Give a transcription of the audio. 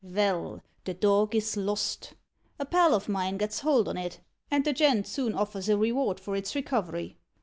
Vell, the dog is lost. A pal of mine gets hold on it, and the gent soon offers a reward for its recovery.